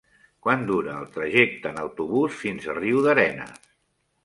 Quant dura el trajecte en autobús fins a Riudarenes?